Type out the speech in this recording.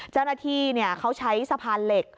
เจ้าหน้าที่เขาใช้สะพานเหล็ก